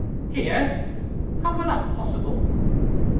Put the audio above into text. "Here! How were that possible?"